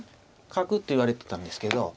角って言われてたんですけど。